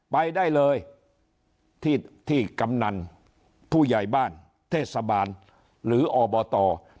ไปได้เลยที่ที่กำนันผู้ใหญ่บ้านเทศบาลหรืออบต